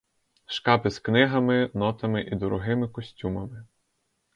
Шкапи з книгами, нотами і дорогими костюмами.